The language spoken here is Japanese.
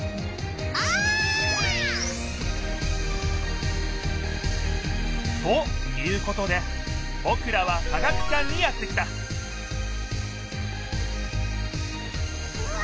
お！ということでぼくらは科学館にやって来たうわ！